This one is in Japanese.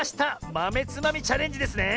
まめつまみチャレンジですね！